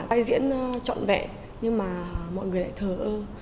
ai diễn trọn vẹn nhưng mà mọi người lại thờ ơ